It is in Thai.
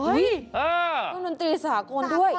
อุ๊ยต้องดนตรีสหกลด้วย